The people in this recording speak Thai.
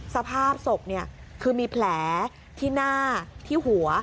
สภาพศพคือมีแผลที่หน้าที่หัว